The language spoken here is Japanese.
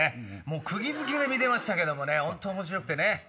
もうくぎ付けで見てましたけども本当面白くてね。